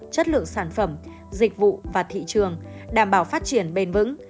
chất lượng sản phẩm dịch vụ và thị trường đảm bảo phát triển bền vững